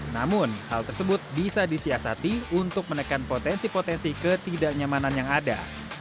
namun hal tersebut bisa disiasati untuk menekan potensi potensi ketidaknyamanan yang ada